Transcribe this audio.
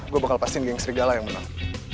gua bakal pastiin geng serigala yang menang